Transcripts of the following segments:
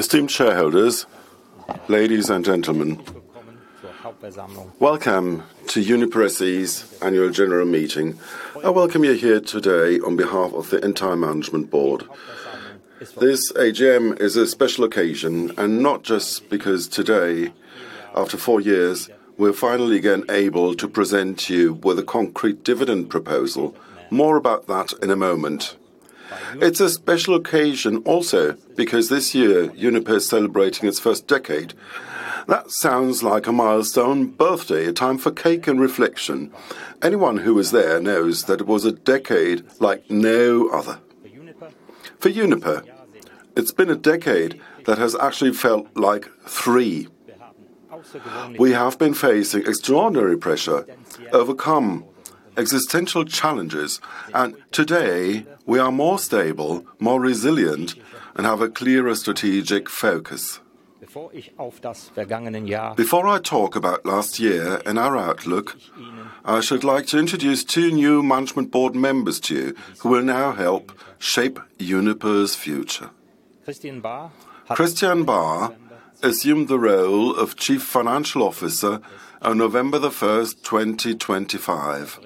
Esteemed shareholders, ladies and gentlemen, welcome to Uniper SE's Annual General Meeting. I welcome you here today on behalf of the entire management board. This AGM is a special occasion and not just because today, after four years, we're finally again able to present you with a concrete dividend proposal. More about that in a moment. It's a special occasion also because this year Uniper is celebrating its first decade. That sounds like a milestone birthday, a time for cake and reflection. Anyone who was there knows that it was a decade like no other. For Uniper, it's been a decade that has actually felt like three. We have been facing extraordinary pressure, overcome existential challenges. Today, we are more stable, more resilient, and have a clearer strategic focus. Before I talk about last year and our outlook, I should like to introduce two new management board members to you who will now help shape Uniper's future. Christian Barr assumed the role of Chief Financial Officer on November 1st, 2025.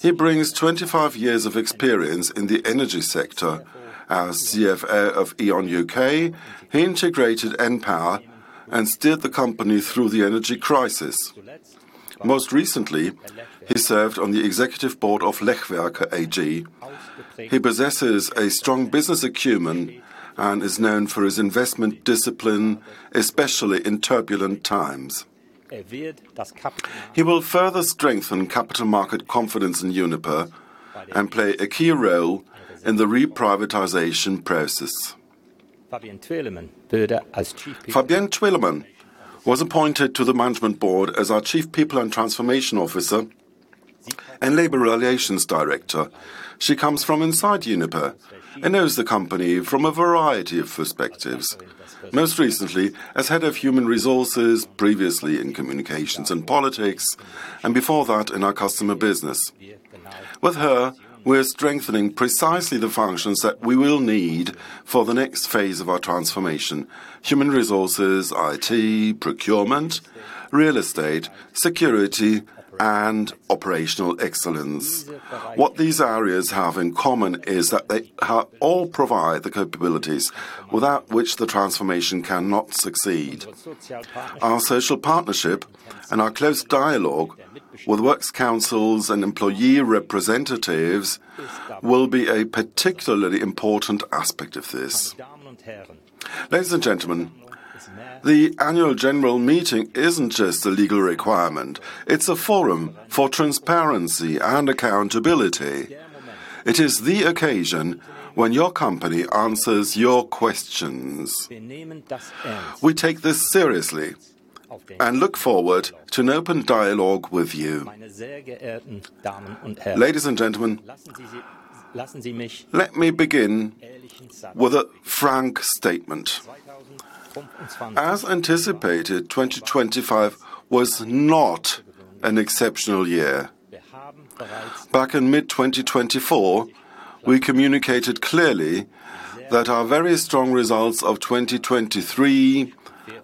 He brings 25 years of experience in the energy sector. As CFO of E.ON U.K., he integrated npower and steered the company through the energy crisis. Most recently, he served on the Executive Board of Lechwerke AG. He possesses a strong business acumen and is known for his investment discipline, especially in turbulent times. He will further strengthen capital market confidence in Uniper and play a key role in the reprivatization process. Fabienne Twelemann was appointed to the management board as our Chief People and Transformation Officer and Labor Relations Director. She comes from inside Uniper and knows the company from a variety of perspectives. Most recently as head of human resources, previously in communications and politics, and before that in our customer business. With her, we are strengthening precisely the functions that we will need for the next phase of our transformation, human resources, IT, procurement, real estate, security, and operational excellence. What these areas have in common is that they all provide the capabilities without which the transformation cannot succeed. Our social partnership and our close dialogue with works councils and employee representatives will be a particularly important aspect of this. Ladies and gentlemen, the Annual General Meeting isn't just a legal requirement. It's a forum for transparency and accountability. It is the occasion when your company answers your questions. We take this seriously and look forward to an open dialogue with you. Ladies and gentlemen, let me begin with a frank statement. As anticipated, 2025 was not an exceptional year. Back in mid-2024, we communicated clearly that our very strong results of 2023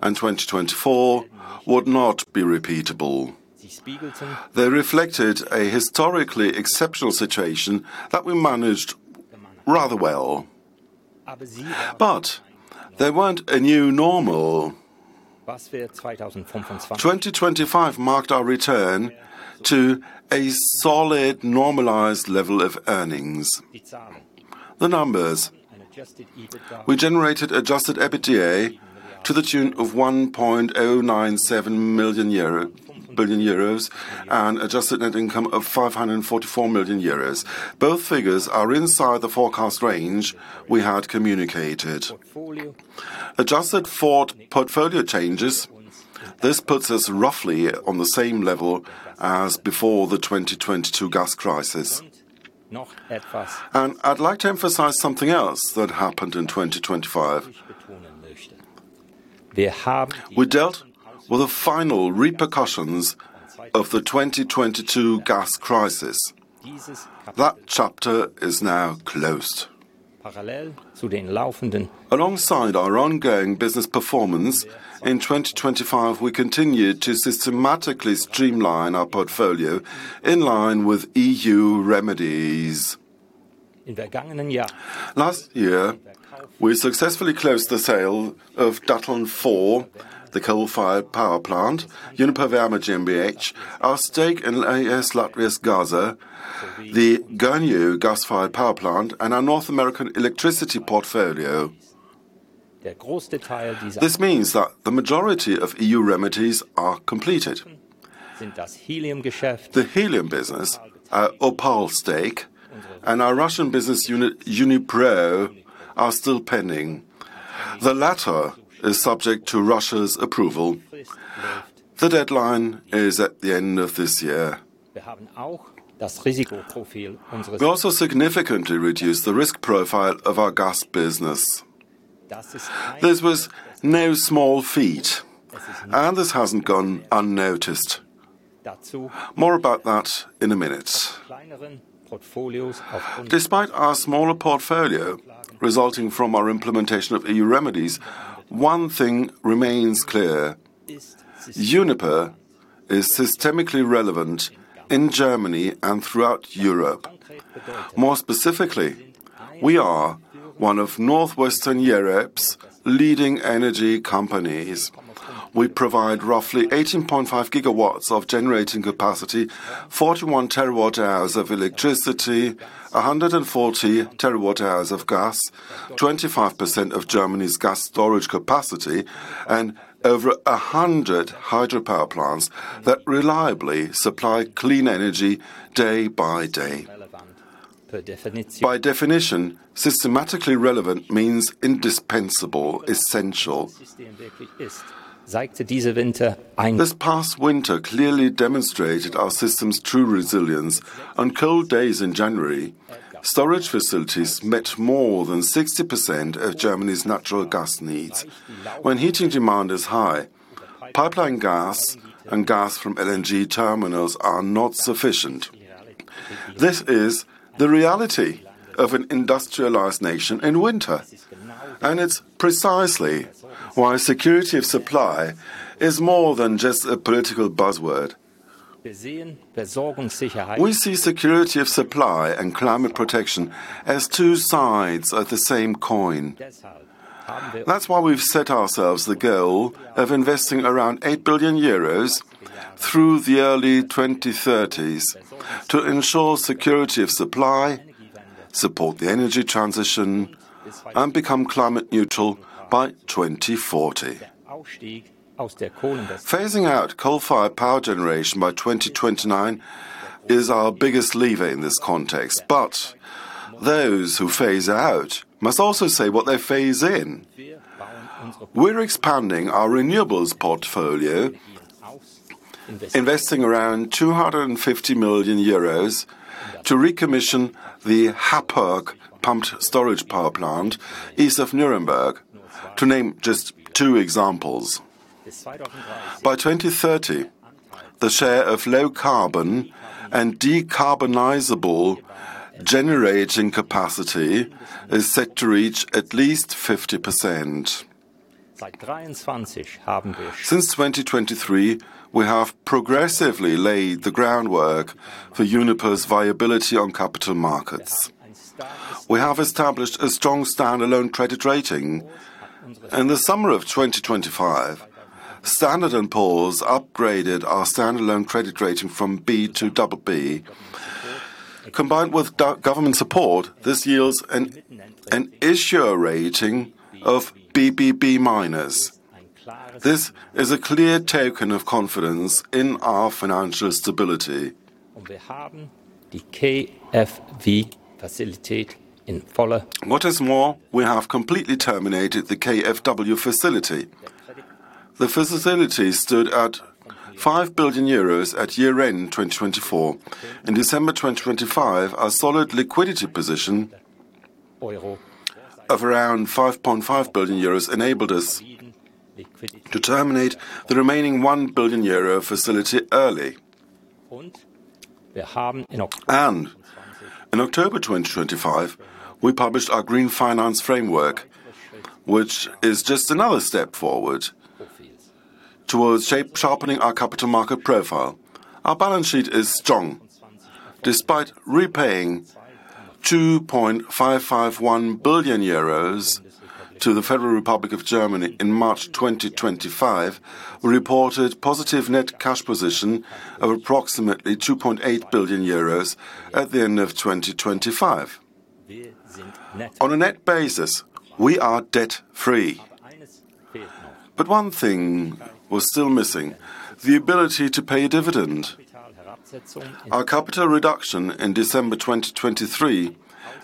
and 2024 would not be repeatable. They reflected a historically exceptional situation that we managed rather well. They weren't a new normal. 2025 marked our return to a solid normalized level of earnings. The numbers. We generated adjusted EBITDA to the tune of 1.097 billion euro and adjusted net income of 544 million euros. Both figures are inside the forecast range we had communicated. Adjusted for portfolio changes, this puts us roughly on the same level as before the 2022 gas crisis. I'd like to emphasize something else that happened in 2025. We dealt with the final repercussions of the 2022 gas crisis. That chapter is now closed. Alongside our ongoing business performance, in 2025, we continued to systematically streamline our portfolio in line with EU remedies. Last year, we successfully closed the sale of Datteln 4, the coal-fired power plant, Uniper Wärme GmbH, our stake in AS Latvijas Gāze, the Gönyű gas-fired power plant, and our North American electricity portfolio. This means that the majority of EU remedies are completed. The helium business OPAL stake and our Russian business unit Unipro are still pending. The latter is subject to Russia's approval. The deadline is at the end of this year. We also significantly reduced the risk profile of our gas business. This was no small feat, and this hasn't gone unnoticed. More about that in a minute. Despite our smaller portfolio resulting from our implementation of EU remedies, one thing remains clear. Uniper is systemically relevant in Germany and throughout Europe. More specifically, we are one of Northwestern Europe's leading energy companies. We provide roughly 18.5 GW of generating capacity, 41 TWh of electricity, 140 TWh of gas, 25% of Germany's gas storage capacity, and over 100 hydropower plants that reliably supply clean energy day by day. By definition, systematically relevant means indispensable, essential. This past winter clearly demonstrated our system's true resilience. On cold days in January, storage facilities met more than 60% of Germany's natural gas needs. When heating demand is high, pipeline gas and gas from LNG terminals are not sufficient. This is the reality of an industrialized nation in winter, and it's precisely why security of supply is more than just a political buzzword. We see security of supply and climate protection as two sides of the same coin. That's why we've set ourselves the goal of investing around 8 billion euros through the early 2030s to ensure security of supply, support the energy transition, and become climate neutral by 2040. Phasing out coal-fired power generation by 2029 is our biggest lever in this context, but those who phase out must also say what they phase in. We're expanding our renewables portfolio, investing around 250 million euros to recommission the Happurg pumped storage power plant east of Nuremberg. To name just two examples. By 2030, the share of low-carbon and decarbonizable generating capacity is set to reach at least 50%. Since 2023, we have progressively laid the groundwork for Uniper's viability on capital markets. We have established a strong standalone credit rating. In the summer of 2025, Standard & Poor's upgraded our standalone credit rating from B to BB. Combined with government support, this yields an issuer rating of BBB-. This is a clear token of confidence in our financial stability. What is more, we have completely terminated the KfW facility. The facility stood at 5 billion euros at year-end 2024. In December 2025, our solid liquidity position of around 5.5 billion euros enabled us to terminate the remaining 1 billion euro facility early. In October 2025, we published our Green Finance Framework, which is just another step forward towards sharpening our capital market profile. Our balance sheet is strong. Despite repaying 2.551 billion euros to the Federal Republic of Germany in March 2025, we reported positive net cash position of approximately 2.8 billion euros at the end of 2025. On a net basis, we are debt-free. One thing was still missing, the ability to pay a dividend. Our capital reduction in December 2023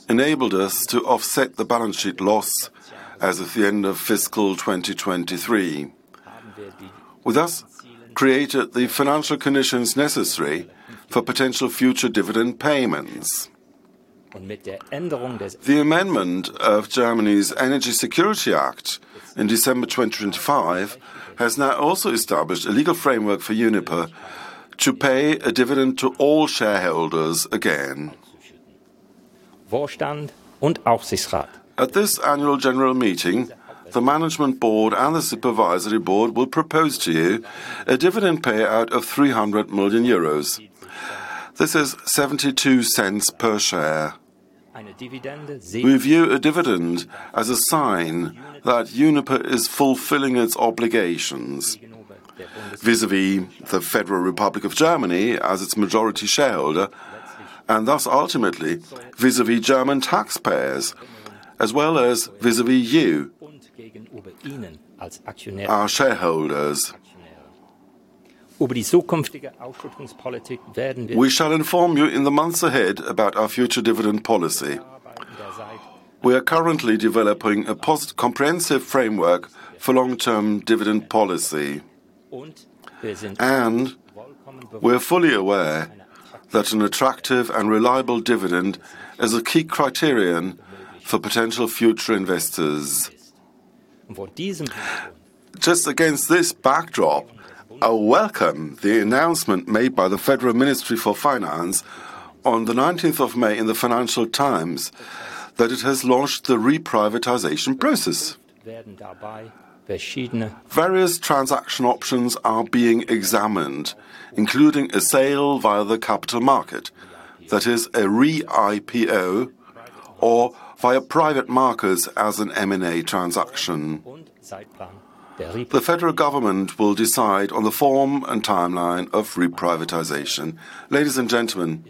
enabled us to offset the balance sheet loss as of the end of fiscal 2023. With us created the financial conditions necessary for potential future dividend payments. The amendment of Germany's Energy Security Act in December 2025 has now also established a legal framework for Uniper to pay a dividend to all shareholders again. At this Annual General Meeting, the management board and the supervisory board will propose to you a dividend payout of 300 million euros. This is 0.72 per share. We view a dividend as a sign that Uniper is fulfilling its obligations vis-à-vis the Federal Republic of Germany as its majority shareholder and thus ultimately vis-à-vis German taxpayers as well as vis-à-vis you, our shareholders. We shall inform you in the months ahead about our future dividend policy. We are currently developing a comprehensive framework for long-term dividend policy. We're fully aware that an attractive and reliable dividend is a key criterion for potential future investors. Just against this backdrop, I welcome the announcement made by the Federal Ministry of Finance on the 19th of May in the Financial Times that it has launched the reprivatization process. Various transaction options are being examined, including a sale via the capital market. That is a re-IPO, or via private markets as an M&A transaction. The federal government will decide on the form and timeline of reprivatization. Ladies and gentlemen,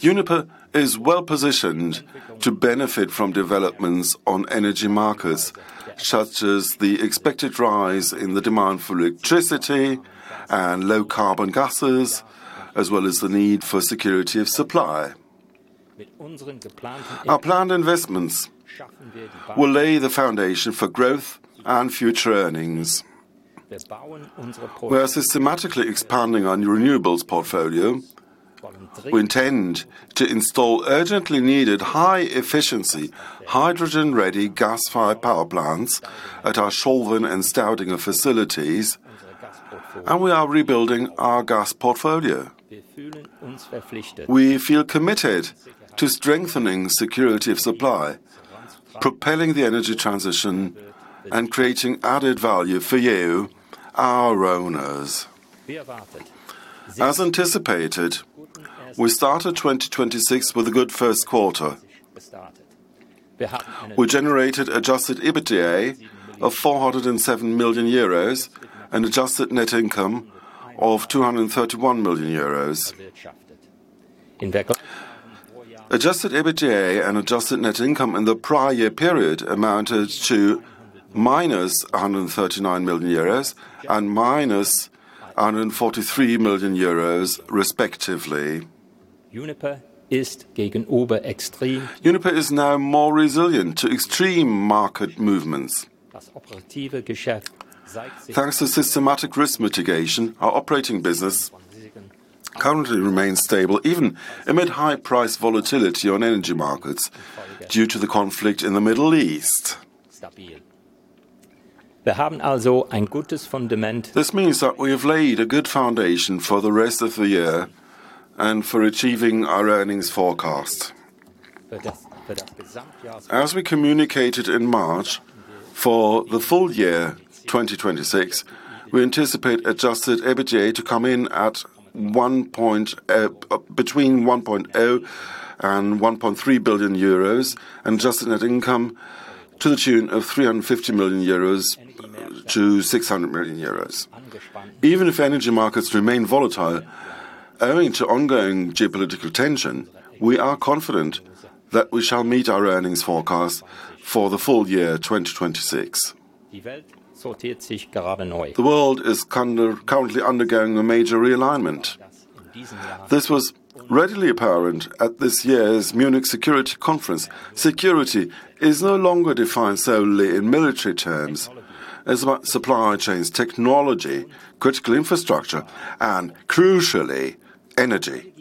Uniper is well-positioned to benefit from developments on energy markets, such as the expected rise in the demand for electricity, and low-carbon gases as well as the need for security of supply. Our planned investments will lay the foundation for growth and future earnings. We are systematically expanding our renewables portfolio. We intend to install urgently needed high-efficiency hydrogen-ready gas-fired power plants at our Scholven and Staudinger facilities. We are rebuilding our gas portfolio. We feel committed to strengthening security of supply, propelling the energy transition, and creating added value for you, our owners. As anticipated, we started 2026 with a good first quarter. We generated adjusted EBITDA of 407 million euros and adjusted net income of 231 million euros. Adjusted EBITDA and adjusted net income in the prior year period amounted to -139 million euros and -143 million euros, respectively. Uniper is now more resilient to extreme market movements. Thanks to systematic risk mitigation, our operating business currently remains stable even amid high price volatility on energy markets due to the conflict in the Middle East. This means that we have laid a good foundation for the rest of the year and for achieving our earnings forecast. As we communicated in March, for the full year 2026, we anticipate adjusted EBITDA to come in at between 1.0 billion and 1.3 billion euros and adjusted net income to the tune of 350 million-600 million euros. Even if energy markets remain volatile, owing to ongoing geopolitical tension, we are confident that we shall meet our earnings forecast for the full year 2026. The world is currently undergoing a major realignment. This was readily apparent at this year's Munich Security Conference. Security is no longer defined solely in military terms. It's about supply chains, technology, critical infrastructure, and crucially, energy.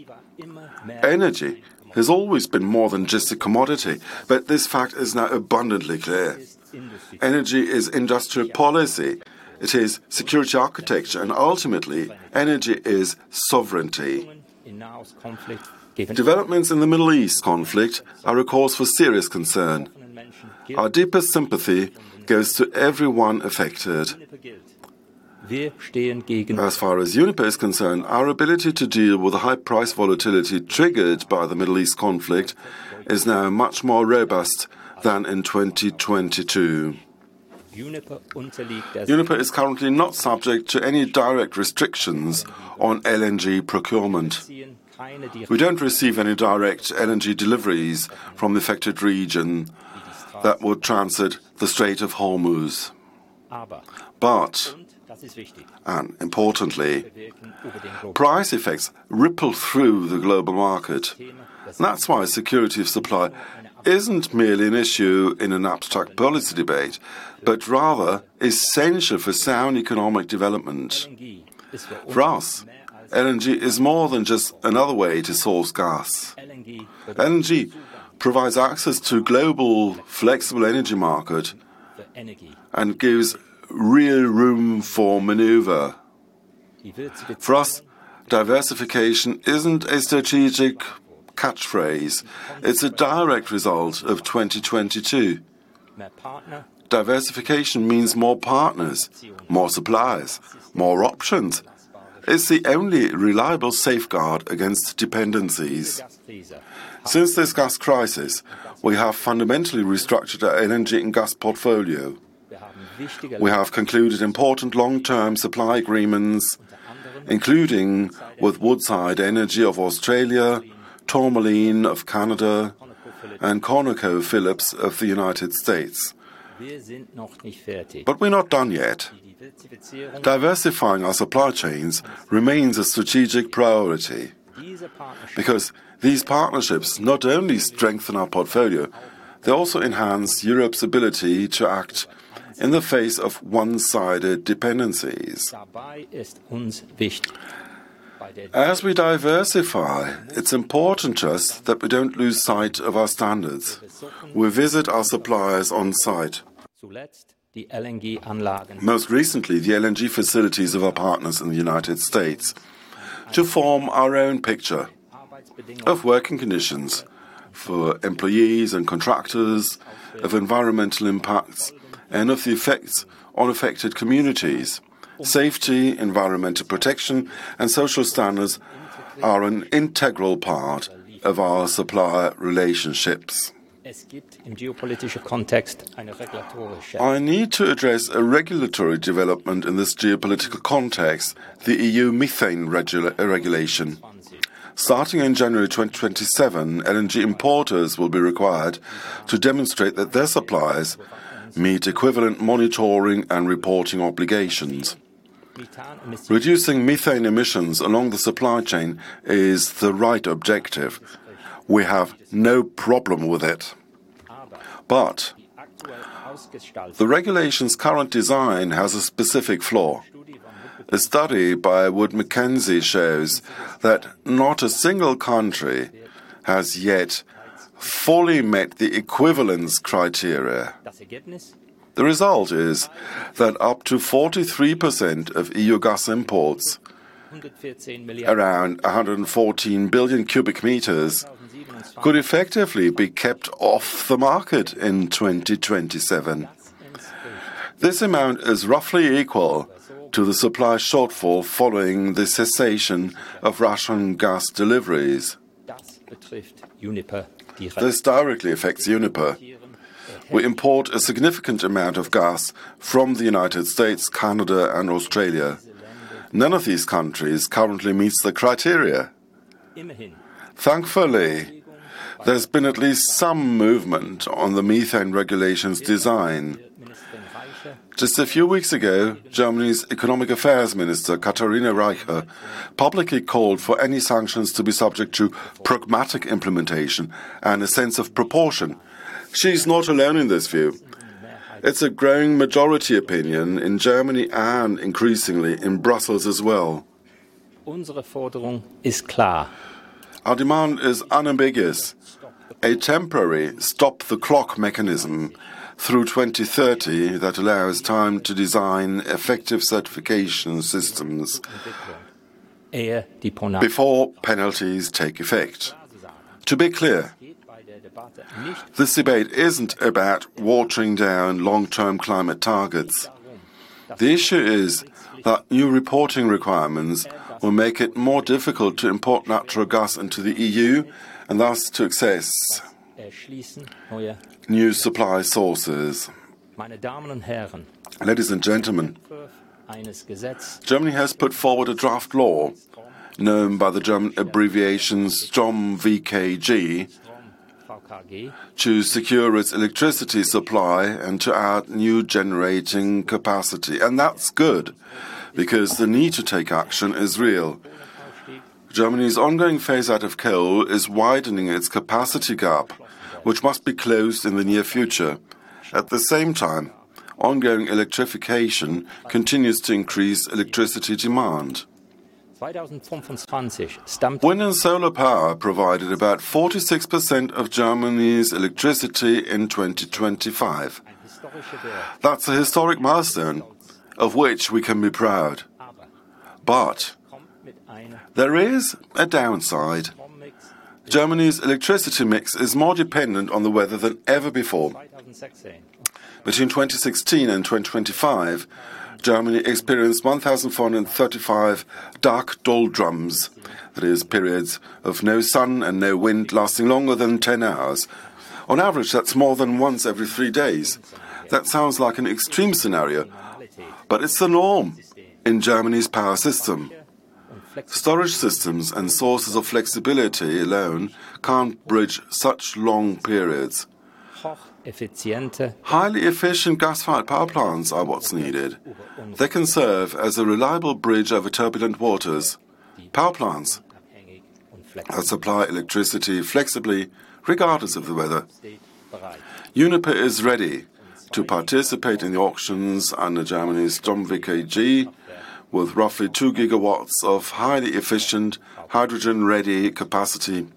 Energy has always been more than just a commodity, but this fact is now abundantly clear. Energy is industrial policy. It is security architecture. Ultimately, energy is sovereignty. Developments in the Middle East conflict are a cause for serious concern. Our deepest sympathy goes to everyone affected. As far as Uniper is concerned, our ability to deal with high price volatility triggered by the Middle East conflict is now much more robust than in 2022. Uniper is currently not subject to any direct restrictions on LNG procurement. We don't receive any direct LNG deliveries from the affected region. That would transit the Strait of Hormuz. And importantly, price effects ripple through the global market. That's why security of supply isn't merely an issue in an abstract policy debate, but rather essential for sound economic development. For us, LNG is more than just another way to source gas. LNG provides access to global flexible energy market and gives real room for maneuver. For us, diversification isn't a strategic catchphrase. It's a direct result of 2022. Diversification means more partners, more suppliers, more options. It's the only reliable safeguard against dependencies. Since this gas crisis, we have fundamentally restructured our energy and gas portfolio. We have concluded important long-term supply agreements, including with Woodside Energy of Australia, Tourmaline of Canada, and ConocoPhillips of the United States. We're not done yet. Diversifying our supply chains remains a strategic priority because these partnerships not only strengthen our portfolio, they also enhance Europe's ability to act in the face of one-sided dependencies. As we diversify, it's important to us that we don't lose sight of our standards. We visit our suppliers on site. Most recently, the LNG facilities of our partners in the United States to form our own picture of working conditions for employees and contractors, of environmental impacts, and of the effects on affected communities. Safety, environmental protection, and social standards are an integral part of our supplier relationships. I need to address a regulatory development in this geopolitical context, the EU Methane Regulation. Starting in January 2027, LNG importers will be required to demonstrate that their suppliers meet equivalent monitoring and reporting obligations. Reducing methane emissions along the supply chain is the right objective, we have no problem with it. The regulation's current design has a specific flaw. A study by Wood Mackenzie shows that not a single country has yet fully met the equivalence criteria. The result is that up to 43% of EU gas imports around 114 billion cu m could effectively be kept off the market in 2027. This amount is roughly equal to the supply shortfall following the cessation of Russian gas deliveries. This directly affects Uniper. We import a significant amount of gas from the United States, Canada, and Australia. None of these countries currently meets the criteria. Thankfully, there's been at least some movement on the methane regulation's design. Just a few weeks ago, Germany's Economic Affairs Minister, Katherina Reiche, publicly called for any sanctions to be subject to pragmatic implementation and a sense of proportion. She's not alone in this view. It's a growing majority opinion in Germany and increasingly in Brussels as well. Our demand is unambiguous: a temporary stop-the-clock mechanism through 2030 that allows time to design effective certification systems before penalties take effect. To be clear, this debate isn't about watering down long-term climate targets. The issue is that new reporting requirements will make it more difficult to import natural gas into the EU and thus to access new supply sources. Ladies and gentlemen, Germany has put forward a draft law known by the German abbreviation StromVKG, to secure its electricity supply and to add new generating capacity. That's good because the need to take action is real. Germany's ongoing phase-out of coal is widening its capacity gap, which must be closed in the near future. At the same time, ongoing electrification continues to increase electricity demand. Wind and solar power provided about 46% of Germany's electricity in 2025. That's a historic milestone of which we can be proud. There is a downside. Germany's electricity mix is more dependent on the weather than ever before. Between 2016 and 2025, Germany experienced 1,435 dark doldrums, that is periods of no sun and no wind lasting longer than 10 hours. On average, that's more than once every three days. That sounds like an extreme scenario, but it's the norm in Germany's power system. Storage systems and sources of flexibility alone can't bridge such long periods. Highly efficient gas-fired power plants are what's needed. They can serve as a reliable bridge over turbulent waters. Power plants supply electricity flexibly regardless of the weather. Uniper is ready to participate in the auctions under Germany's StromVKG with roughly 2 GW of highly efficient hydrogen-ready capacity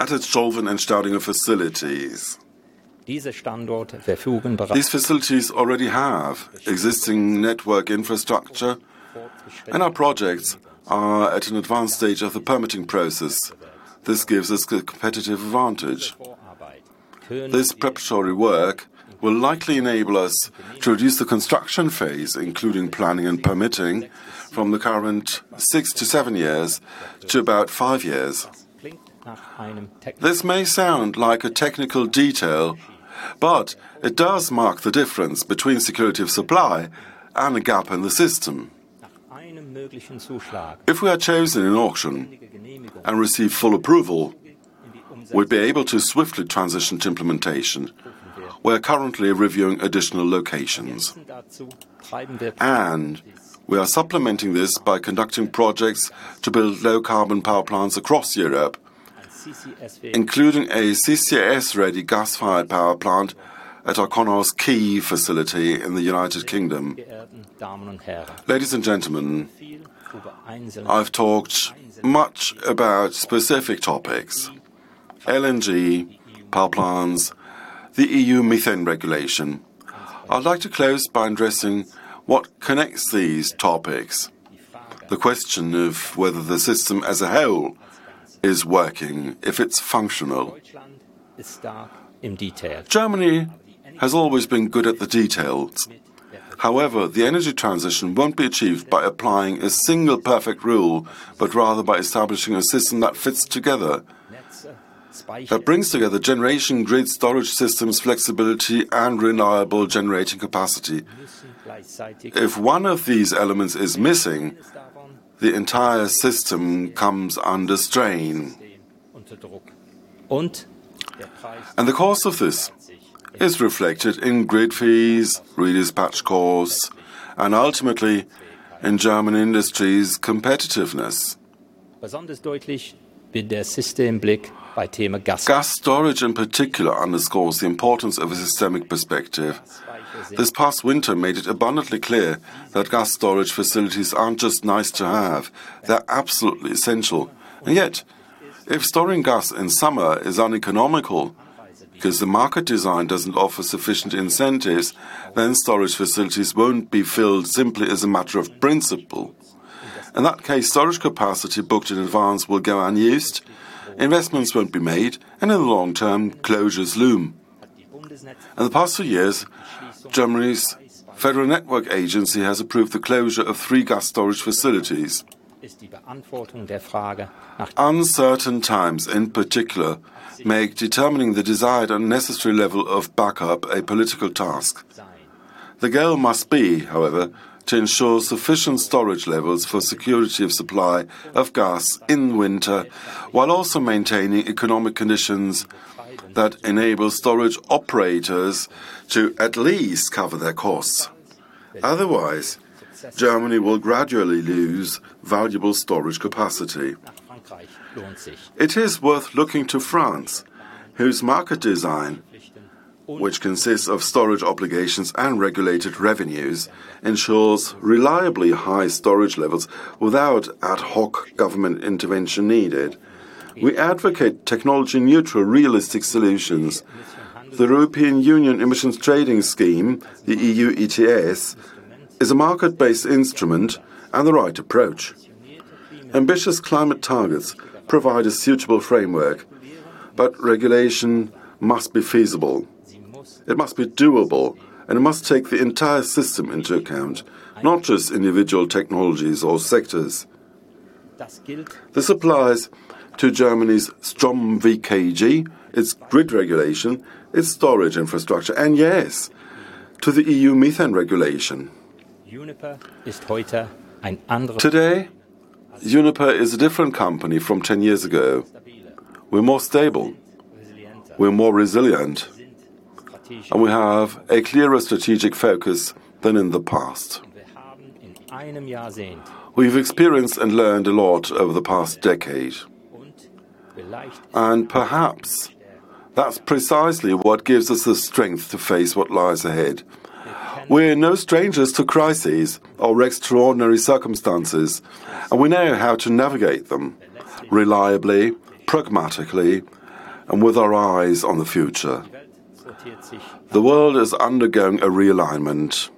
at its Scholven and Staudinger facilities. These facilities already have existing network infrastructure, and our projects are at an advanced stage of the permitting process. This gives us a competitive advantage. This preparatory work will likely enable us to reduce the construction phase, including planning and permitting, from the current six to seven years to about five years. This may sound like a technical detail, but it does mark the difference between security of supply and a gap in the system. If we are chosen in auction and receive full approval, we'd be able to swiftly transition to implementation. We are currently reviewing additional locations. We are supplementing this by conducting projects to build low-carbon power plants across Europe, including a CCS-ready gas-fired power plant at our Connah's Quay facility in the United Kingdom. Ladies and gentlemen, I've talked much about specific topics. LNG, power plants, the EU Methane Regulation. I'd like to close by addressing what connects these topics. The question of whether the system as a whole is working, if it's functional. Germany has always been good at the details. However, the energy transition won't be achieved by applying a single perfect rule, but rather by establishing a system that fits together, that brings together generation, grid storage systems, flexibility, and reliable generating capacity. If one of these elements is missing, the entire system comes under strain. The cost of this is reflected in grid fees, redispatch costs, and ultimately in German industry's competitiveness. Gas storage in particular underscores the importance of a systemic perspective. This past winter made it abundantly clear that gas storage facilities aren't just nice to have. They're absolutely essential. Yet, if storing gas in summer is uneconomical because the market design doesn't offer sufficient incentives, then storage facilities won't be filled simply as a matter of principle. In that case, storage capacity booked in advance will go unused. Investments won't be made. In the long term, closures loom. In the past few years, Germany's Federal Network Agency has approved the closure of three gas storage facilities. Uncertain times in particular make determining the desired and necessary level of backup a political task. The goal must be, however, to ensure sufficient storage levels for security of supply of gas in winter while also maintaining economic conditions that enable storage operators to at least cover their costs. Otherwise, Germany will gradually lose valuable storage capacity. It is worth looking to France, whose market design, which consists of storage obligations and regulated revenues, ensures reliably high storage levels without ad hoc government intervention needed. We advocate technology-neutral, realistic solutions. The European Union Emissions Trading System, the EU ETS, is a market-based instrument and the right approach. Ambitious climate targets provide a suitable framework, but regulation must be feasible. It must be doable and it must take the entire system into account, not just individual technologies or sectors. This applies to Germany's StromVKG, its grid regulation, its storage infrastructure, and yes, to the EU Methane Regulation. Today, Uniper is a different company from 10 years ago. We're more stable, we're more resilient, and we have a clearer strategic focus than in the past. We've experienced and learned a lot over the past decade, perhaps that's precisely what gives us the strength to face what lies ahead. We're no strangers to crises or extraordinary circumstances. We know how to navigate them reliably, pragmatically, and with our eyes on the future. The world is undergoing a realignment.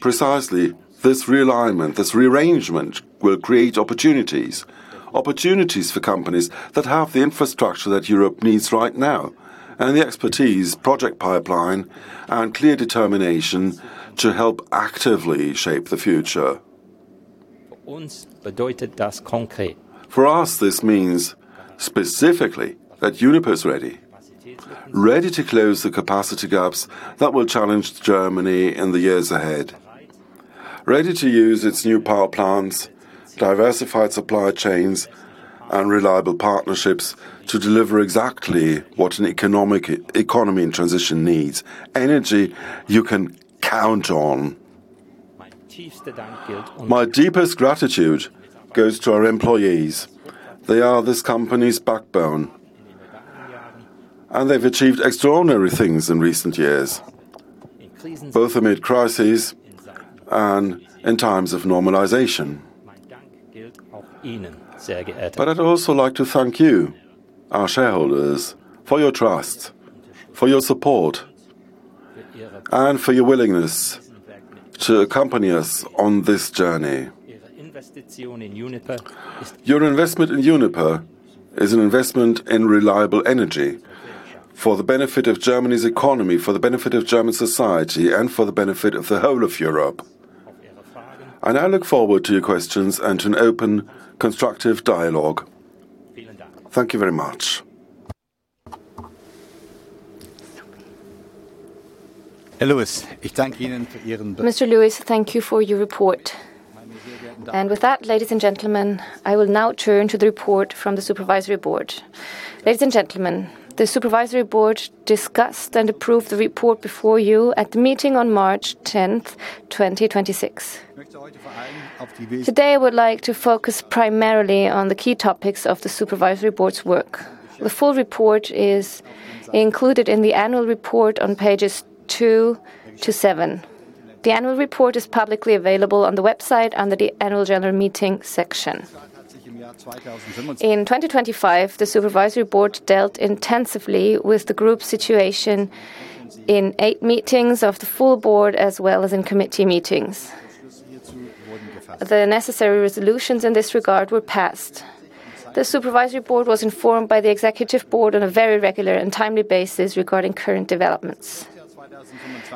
Precisely this realignment, this rearrangement, will create opportunities for companies that have the infrastructure that Europe needs right now and the expertise, project pipeline, and clear determination to help actively shape the future. For us, this means specifically that Uniper is ready to close the capacity gaps that will challenge Germany in the years ahead, ready to use its new power plants, diversified supply chains, and reliable partnerships to deliver exactly what an economy in transition needs, energy you can count on. My deepest gratitude goes to our employees. They are this company's backbone, and they've achieved extraordinary things in recent years, both amid crises and in times of normalization. I'd also like to thank you, our shareholders, for your trust, for your support, and for your willingness to accompany us on this journey. Your investment in Uniper is an investment in reliable energy for the benefit of Germany's economy, for the benefit of German society, and for the benefit of the whole of Europe. I now look forward to your questions and to an open, constructive dialogue. Thank you very much. Mr. Lewis, thank you for your report. With that, ladies and gentlemen, I will now turn to the report from the Supervisory Board. Ladies and gentlemen, the Supervisory Board discussed and approved the report before you at the meeting on March 10th, 2026. Today I would like to focus primarily on the key topics of the Supervisory Board's work. The full report is included in the annual report on pages two to seven. The annual report is publicly available on the website under the Annual General Meeting section. In 2025, the Supervisory Board dealt intensively with the Group situation in eight meetings of the full board as well as in committee meetings. The necessary resolutions in this regard were passed. The Supervisory Board was informed by the Executive Board on a very regular and timely basis regarding current developments.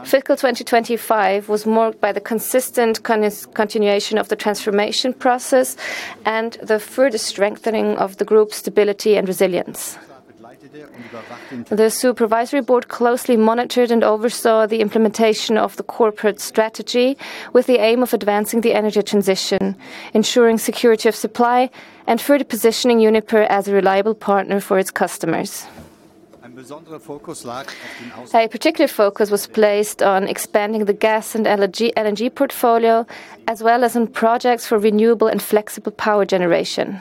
Fiscal 2025 was marked by the consistent continuation of the transformation process and the further strengthening of the Group's stability and resilience. The Supervisory Board closely monitored and oversaw the implementation of the corporate strategy with the aim of advancing the energy transition. Ensuring security of supply and further positioning Uniper as a reliable partner for its customers. A particular focus was placed on expanding the gas and LNG portfolio, as well as on projects for renewable and flexible power generation.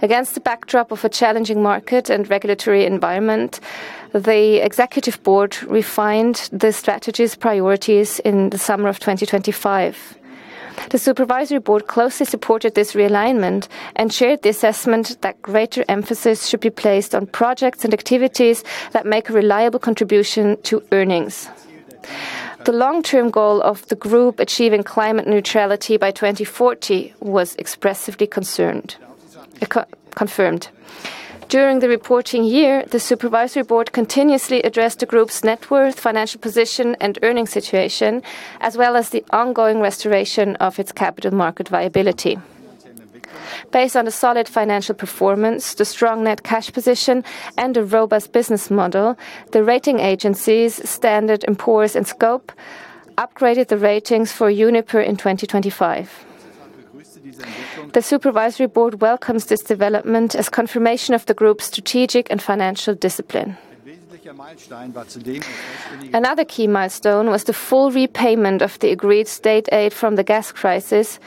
Against the backdrop of a challenging market and regulatory environment, the Executive Board refined the strategy's priorities in the summer of 2025. The Supervisory Board closely supported this realignment and shared the assessment that greater emphasis should be placed on projects and activities that make a reliable contribution to earnings. The long-term goal of the Group achieving climate neutrality by 2040 was expressively confirmed. During the reporting year, the Supervisory Board continuously addressed the Group's net worth, financial position, and earnings situation, as well as the ongoing restoration of its capital market viability. Based on the solid financial performance, the strong net cash position, and the robust business model, the rating agencies Standard & Poor's and Scope upgraded the ratings for Uniper in 2025. The Supervisory Board welcomes this development as confirmation of the group's strategic and financial discipline. Another key milestone was the full repayment of the agreed state aid from the gas crisis,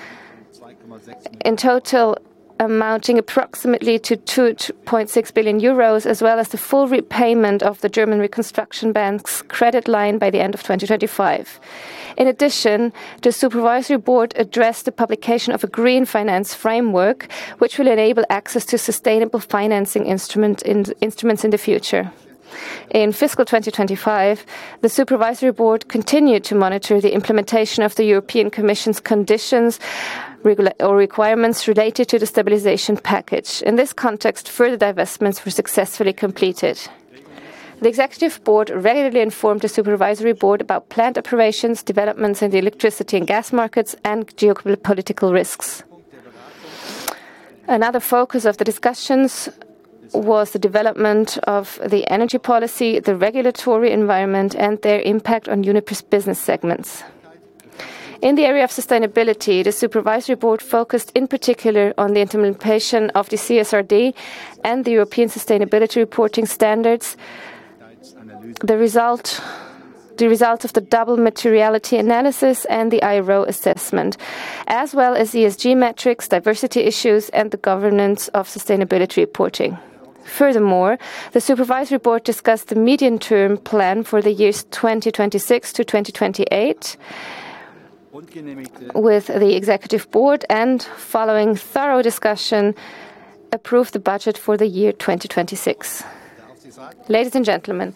in total amounting approximately to 2.6 billion euros, as well as the full repayment of the German Reconstruction Bank's credit line by the end of 2025. In addition, the Supervisory Board addressed the publication of a Green Finance Framework, which will enable access to sustainable financing instruments in the future. In fiscal 2025, the Supervisory Board continued to monitor the implementation of the European Commission's conditions or requirements related to the stabilization package. In this context, further divestments were successfully completed. The Executive Board regularly informed the Supervisory Board about plant operations, developments in the electricity and gas markets, and geopolitical risks. Another focus of the discussions was the development of the energy policy, the regulatory environment, and their impact on Uniper's business segments. In the area of sustainability, the Supervisory Board focused in particular on the implementation of the CSRD and the European Sustainability Reporting Standards, the result of the double materiality analysis and the IRO assessment, as well as ESG metrics, diversity issues, and the governance of sustainability reporting. Furthermore, the Supervisory Board discussed the medium-term plan for the years 2026 to 2028 with the Executive Board and, following thorough discussion, approved the budget for the year 2026. Ladies and gentlemen,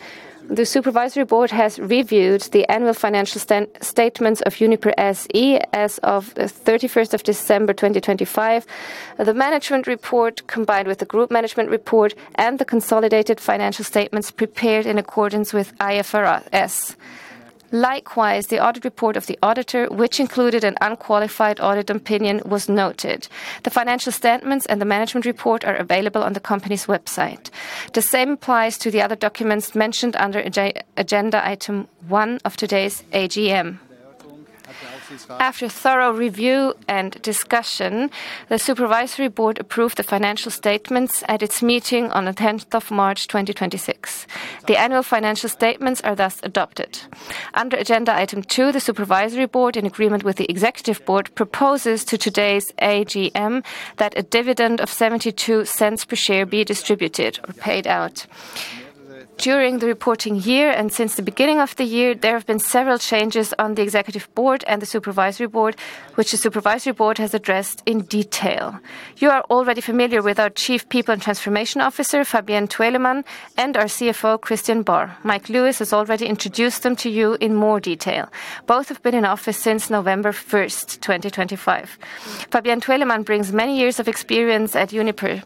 the Supervisory Board has reviewed the annual financial statements of Uniper SE as of December 31st, 2025, the management report combined with the group management report, and the consolidated financial statements prepared in accordance with IFRS. Likewise, the audit report of the auditor, which included an unqualified audit opinion, was noted. The financial statements and the management report are available on the company's website. The same applies to the other documents mentioned under agenda item 1 of today's AGM. After thorough review and discussion, the Supervisory Board approved the financial statements at its meeting on the 10th of March, 2026. The annual financial statements are thus adopted. Under agenda item 2, the Supervisory Board, in agreement with the Executive Board, proposes to today's AGM that a dividend of 0.72 per share be distributed or paid out. During the reporting year and since the beginning of the year, there have been several changes on the Executive Board and the Supervisory Board, which the Supervisory Board has addressed in detail. You are already familiar with our Chief People and Transformation Officer, Fabienne Twelemann, and our CFO, Christian Barr. Mike Lewis has already introduced them to you in more detail. Both have been in office since November 1st, 2025. Fabienne Twelemann brings many years of experience at Uniper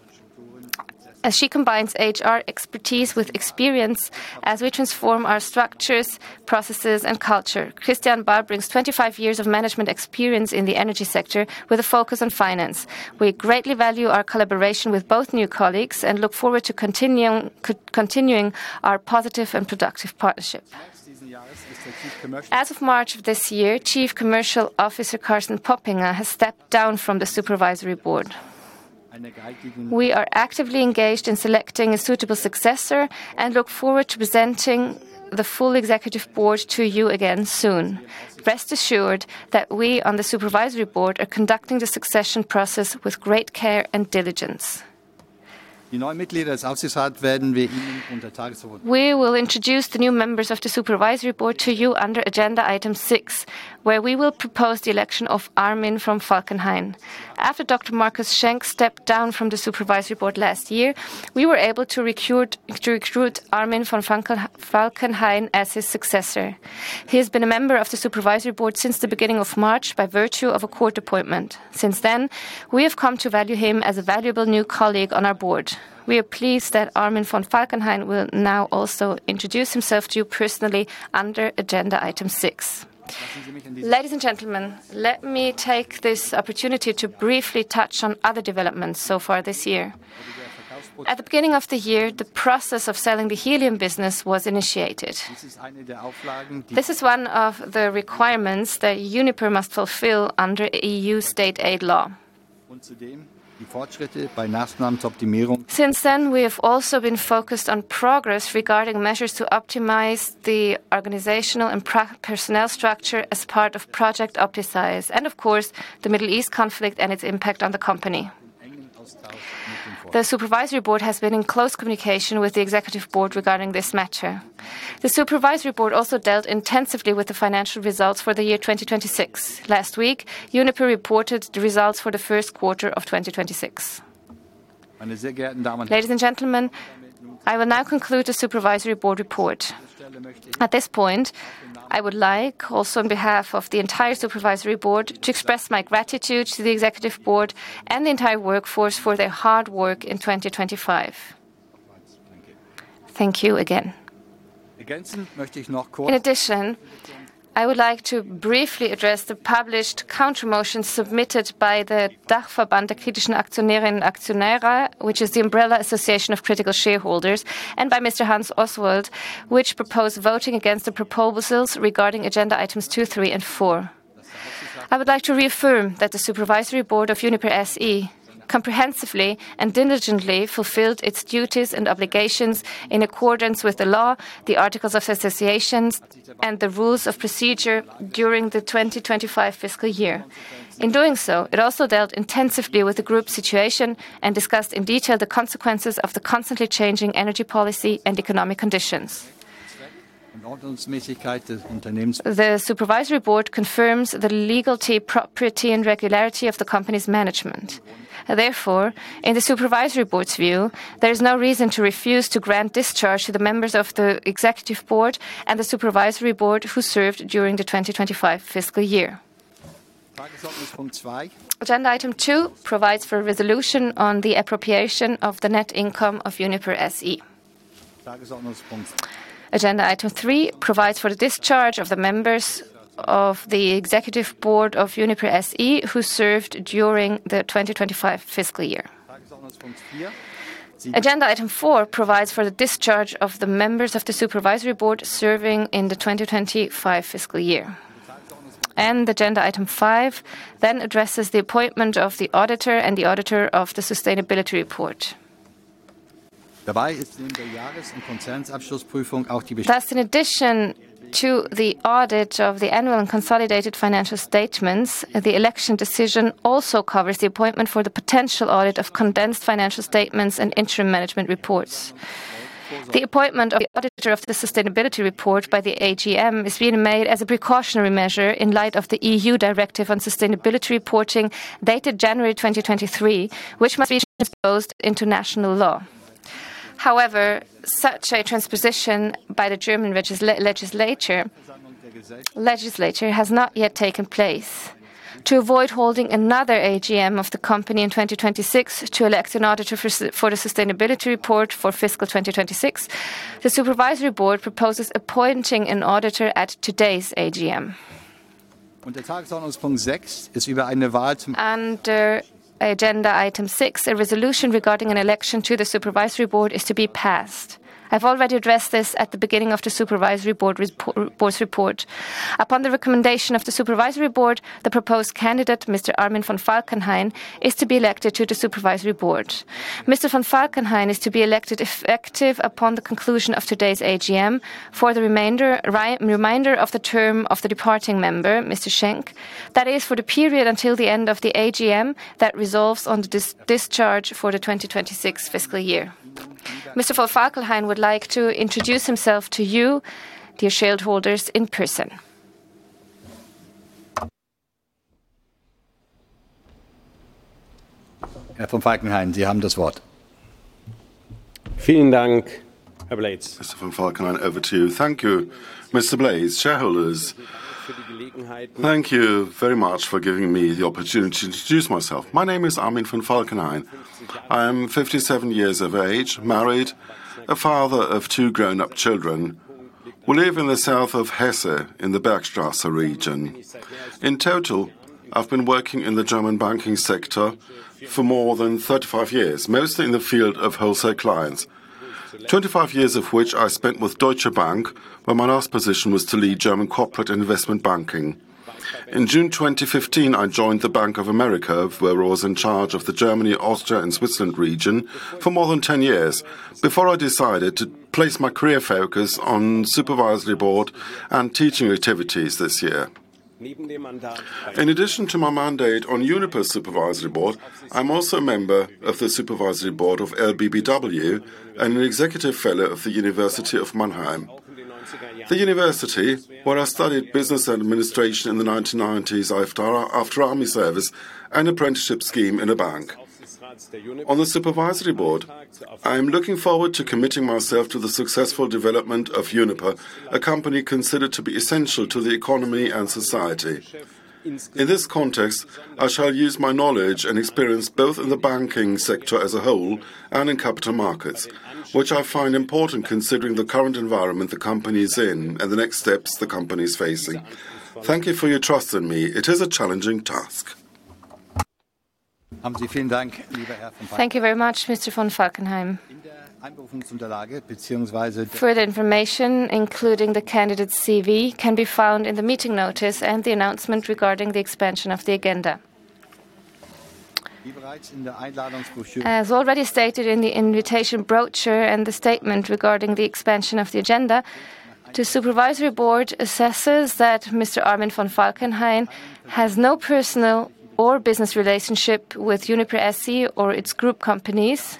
as she combines HR expertise with experience as we transform our structures, processes, and culture. Christian Barr brings 25 years of management experience in the energy sector with a focus on finance. We greatly value our collaboration with both new colleagues and look forward to continuing our positive and productive partnership. As of March of this year, Chief Commercial Officer Carsten Poppinga has stepped down from the Supervisory Board. We are actively engaged in selecting a suitable successor and look forward to presenting the full executive board to you again soon. Rest assured that we on the supervisory board are conducting the succession process with great care and diligence. We will introduce the new members of the supervisory board to you under agenda item 6, where we will propose the election of Armin von Falkenhayn. After Dr. Marcus Schenck stepped down from the supervisory board last year, we were able to recruit Armin von Falkenhayn as his successor. He has been a member of the supervisory board since the beginning of March by virtue of a court appointment. Since then, we have come to value him as a valuable new colleague on our board. We are pleased that Armin von Falkenhayn will now also introduce himself to you personally under agenda item 6. Ladies and gentlemen, let me take this opportunity to briefly touch on other developments so far this year. At the beginning of the year, the process of selling the helium business was initiated. This is one of the requirements that Uniper must fulfill under EU state aid law. Since then, we have also been focused on progress regarding measures to optimize the organizational and personnel structure as part of Project Optimize, and of course, the Middle East conflict and its impact on the company. The Supervisory Board has been in close communication with the Executive Board regarding this matter. The Supervisory Board also dealt intensively with the financial results for the year 2026. Last week, Uniper reported the results for the first quarter of 2026. Ladies and gentlemen, I will now conclude the supervisory board report. At this point, I would like also on behalf of the entire Supervisory Board to express my gratitude to the Executive Board and the entire workforce for their hard work in 2025. Thank you again. I would like to briefly address the published counter motions submitted by the Dachverband der Kritischen Aktionärinnen und Aktionäre, which is the umbrella association of critical shareholders, and by Mr. Hans Oswald, which propose voting against the proposals regarding agenda items 2, 3, and 4. I would like to reaffirm that the Supervisory Board of Uniper SE comprehensively and diligently fulfilled its duties and obligations in accordance with the law, the Articles of Association and the Rules of Procedure during the 2025 fiscal year. In doing so, it also dealt intensively with the Group situation and discussed in detail the consequences of the constantly changing energy policy and economic conditions. The supervisory board confirms the legality, propriety, and regularity of the company's management. Therefore, in the supervisory board's view, there is no reason to refuse to grant discharge to the members of the Executive Board and the Supervisory Board who served during the 2025 fiscal year. Agenda item 2 provides for a resolution on the appropriation of the net income of Uniper SE. Agenda item 3 provides for the discharge of the members of the Executive Board of Uniper SE who served during the 2025 fiscal year. Agenda item 4 provides for the discharge of the members of the Supervisory Board serving in the 2025 fiscal year. Agenda item 5 then addresses the appointment of the auditor and the auditor of the sustainability report. In addition to the audit of the annual and consolidated financial statements, the election decision also covers the appointment for the potential audit of condensed financial statements and interim auditor of the Sustainability Report by the AGM is being made as a precautionary measure in light of the EU Directive on Sustainability Reporting dated January 2023, which must be transposed into national law. Such a transposition by the German legislature has not yet taken place. To avoid holding another AGM of the company in 2026 to elect an auditor for the Sustainability Report for fiscal 2026, the supervisory board proposes appointing an auditor at today's AGM. Under agenda item 6, a resolution regarding an election to the supervisory board is to be passed. I've already addressed this at the beginning of the supervisory board's report. Upon the recommendation of the supervisory board, the proposed candidate, Mr. Armin von Falkenhayn, is to be elected to the supervisory board. Mr. von Falkenhayn is to be elected effective upon the conclusion of today's AGM for the remainder of the term of the departing member, Mr. Schenck, that is, for the period until the end of the AGM that resolves on the discharge for the 2026 fiscal year. Mr. von Falkenhayn would like to introduce himself to you, dear shareholders, in person. Mr. von Falkenhayn, over to you. Thank you, Mr. Blades, shareholders. Thank you very much for giving me the opportunity to introduce myself. My name is Armin von Falkenhayn. I am 57 years of age, married, a father of two grown-up children. We live in the south of Hesse in the Bergstraße region. In total, I've been working in the German banking sector for more than 35 years, mostly in the field of wholesale clients, 25 years of which I spent with Deutsche Bank, where my last position was to lead German corporate investment banking. In June 2015, I joined Bank of America, where I was in charge of the Germany, Austria, and Switzerland region for more than 10 years before I decided to place my career focus on supervisory board and teaching activities this year. In addition to my mandate on Uniper's Supervisory Board, I am also a member of the Supervisory Board of LBBW and an executive fellow of the University of Mannheim, the university where I studied business administration in the 1990s after army service and apprenticeship scheme in a bank. On the Supervisory Board, I am looking forward to committing myself to the successful development of Uniper. A company considered to be essential to the economy and society. In this context, I shall use my knowledge and experience both in the banking sector as a whole and in capital markets, which I find important considering the current environment the company is in and the next steps the company is facing. Thank you for your trust in me. It is a challenging task. Thank you very much, Mr. von Falkenhayn. Further information, including the candidate's CV, can be found in the meeting notice and the announcement regarding the expansion of the agenda. As already stated in the invitation brochure and the statement regarding the expansion of the agenda, the supervisory board assesses that Mr. Armin von Falkenhayn has no personal or business relationship with Uniper SE or its group companies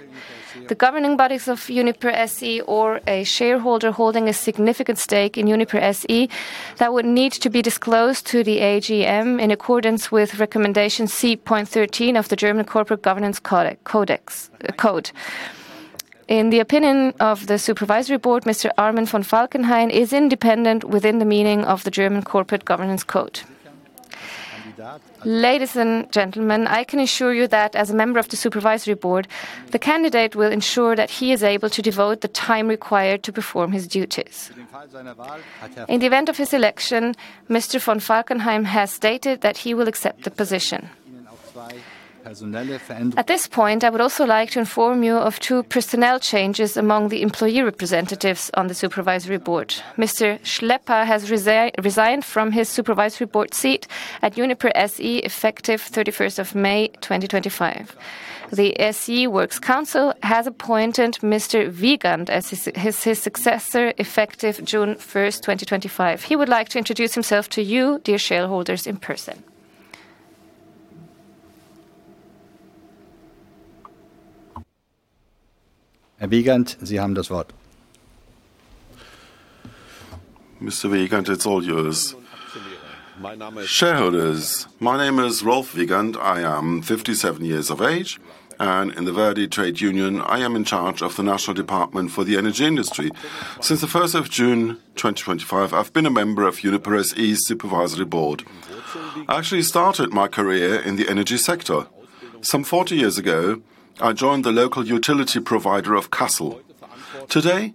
the governing bodies of Uniper SE or a shareholder holding a significant stake in Uniper SE, that would need to be disclosed to the AGM in accordance with Recommendation C.13 of the German Corporate Governance Code. In the opinion of the supervisory board, Mr. Armin von Falkenhayn is independent within the meaning of the German Corporate Governance Code. Ladies and gentlemen, I can assure you that as a member of the supervisory board, the candidate will ensure that he is able to devote the time required to perform his duties. In the event of his election, Mr. von Falkenhayn has stated that he will accept the position. At this point, I would also like to inform you of two personnel changes among the employee representatives on the supervisory board. Mr. Schlepper has resigned from his supervisory board seat at Uniper SE effective May 31st, 2025. The SE Works Council has appointed Mr. Wiegand as his successor effective June 1, 2025. He would like to introduce himself to you, dear shareholders, in person. My name is Rolf Wiegand. I am 57 years of age, and in the ver.di trade union, I am in charge of the National Department for the Energy Industry. Since the 1st June 2025, I've been a member of Uniper SE's supervisory board. I actually started my career in the energy sector. Some 40 years ago, I joined the local utility provider of Kassel. Today,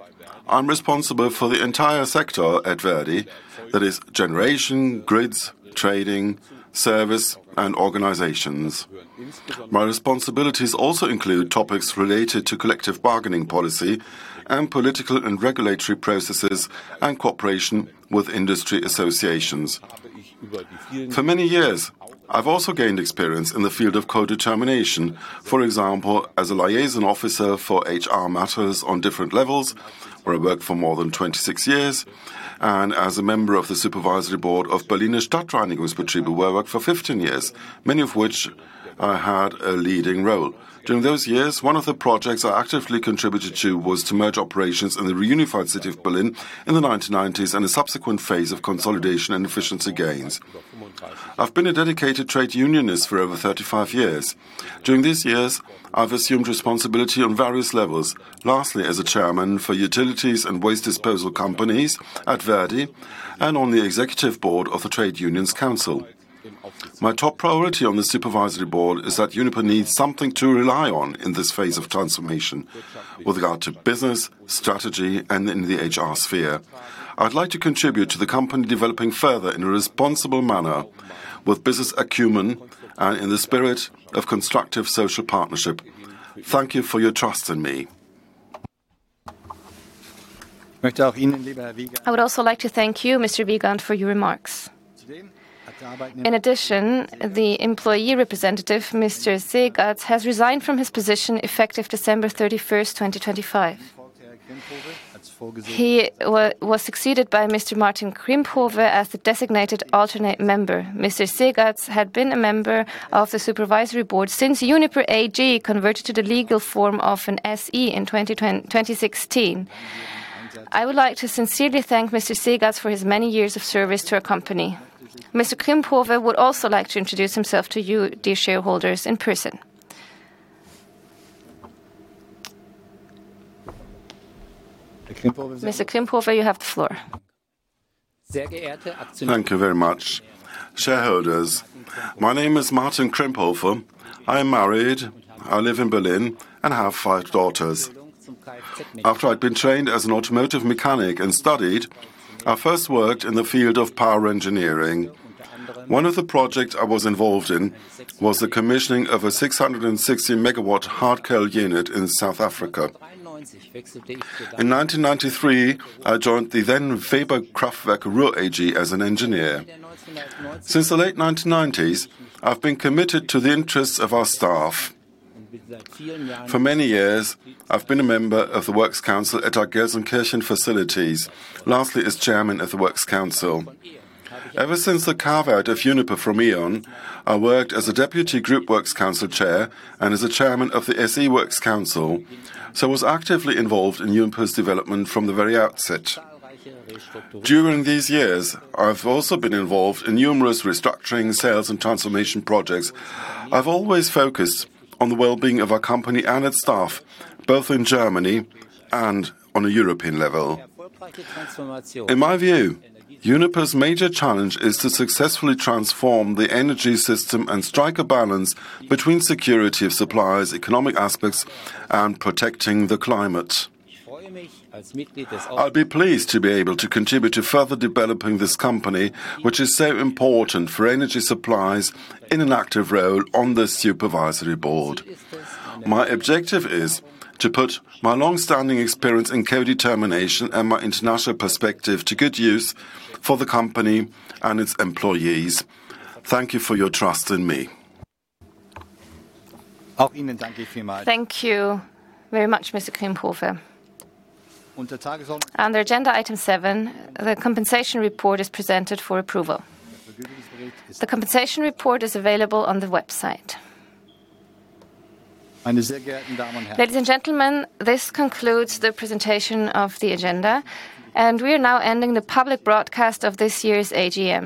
I'm responsible for the entire sector at ver.di, that is generation, grids, trading, service, and organizations. My responsibilities also include topics related to collective bargaining policy, and political and regulatory processes, and cooperation with industry associations. For many years, I've also gained experience in the field of co-determination, for example, as a liaison officer for HR matters on different levels where I worked for more than 26 years, and as a member of the Supervisory Board of Berliner Stadtreinigungsbetriebe, where I worked for 15 years, many of which I had a leading role. During those years, one of the projects I actively contributed to was to merge operations in the reunified city of Berlin in the 1990s and the subsequent phase of consolidation and efficiency gains. I've been a dedicated trade unionist for over 35 years. During these years, I've assumed responsibility on various levels, lastly as a chairman for utilities and waste disposal companies at ver.di and on the Executive Board of the Trade Unions Council. My top priority on the Supervisory Board is that Uniper needs something to rely on in this phase of transformation with regard to business, strategy, and in the HR sphere. I'd like to contribute to the company developing further in a responsible manner with business acumen and in the spirit of constructive social partnership. Thank you for your trust in me. I would also like to thank you, Mr. Wiegand, for your remarks. In addition, the employee representative, Mr. Seegatz, has resigned from his position effective December 31st, 2025. He was succeeded by Mr. Martin Krimphove as the designated alternate member. Mr. Seegatz had been a member of the supervisory board since Uniper AG converted to the legal form of an SE in 2016. I would like to sincerely thank Mr. Seegatz for his many years of service to our company. Mr. Krimphove would also like to introduce himself to you, dear shareholders, in person. Mr. Krimphove, you have the floor. Thank you very much. Shareholders, my name is Martin Krimphove. I am married. I live in Berlin and have five daughters. After I'd been trained as an automotive mechanic and studied, I first worked in the field of power engineering. One of the projects I was involved in was the commissioning of a 660 MW hard coal unit in South Africa. In 1993, I joined the then VEBA Kraftwerke Ruhr AG as an engineer. Since the late 1990s, I've been committed to the interests of our staff. For many years, I've been a member of the Works Council at our Gelsenkirchen facilities, lastly as Chairman of the Works Council. Ever since the carve-out of Uniper from E.ON, I worked as a Deputy Group SE Works Council Chair and as the Chairman of the SE Works Council, so was actively involved in Uniper's development from the very outset. During these years, I've also been involved in numerous restructuring, sales, and transformation projects. I've always focused on the well-being of our company and its staff, both in Germany and on a European level. In my view, Uniper's major challenge is to successfully transform the energy system and strike a balance between security of supplies, economic aspects, and protecting the climate. I'll be pleased to be able to contribute to further developing this company, which is so important for energy supplies, in an active role on the Supervisory Board. My objective is to put my longstanding experience in co-determination and my international perspective to good use for the company and its employees. Thank you for your trust in me. Thank you very much, Mr. Krimphove. Under agenda item 7, the compensation report is presented for approval. The compensation report is available on the website. Ladies and gentlemen, this concludes the presentation of the agenda, and we are now ending the public broadcast of this year's AGM.